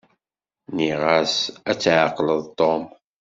Nniɣ-as ad tɛeqleḍ Tom.